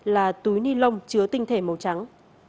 là túi ni lông chứa tinh thể màu trắng